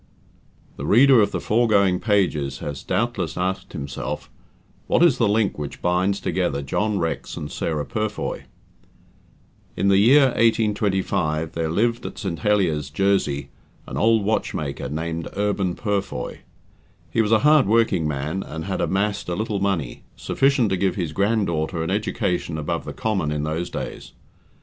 The reader of the foregoing pages has doubtless asked himself, "what is the link which binds together John Rex and Sarah Purfoy?" In the year 1825 there lived at St. Heliers, Jersey, an old watchmaker, named Urban Purfoy. He was a hard working man, and had amassed a little money sufficient to give his grand daughter an education above the common in those days.